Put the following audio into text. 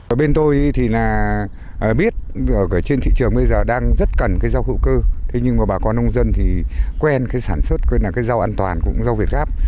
ở bên tôi thì là biết ở trên thị trường bây giờ đang rất cần cái rau hữu cơ thế nhưng mà bà con nông dân thì quen cái sản xuất gọi là cái rau an toàn cũng rau việt gáp